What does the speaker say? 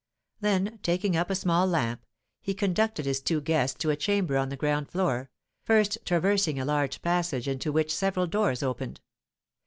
Then, taking up a small lamp, he conducted his two guests to a chamber on the ground floor, first traversing a large passage into which several doors opened.